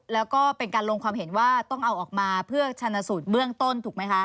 แล้วก็เป็นการลงความเห็นว่าต้องเอาออกมาเพื่อชนะสูตรเบื้องต้นถูกไหมคะ